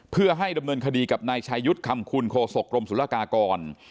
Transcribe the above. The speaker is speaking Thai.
เพื่อให้ดำเนินคดีกับนายชายุทธ์คำคุณโฆษกรมศุลกากร